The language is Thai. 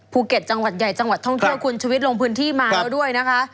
ภูเก็ตจังหวัดใหญ่จังหวัดท่องเที่ยวคุณชวิตลงพื้นที่มาแล้วด้วยนะคะ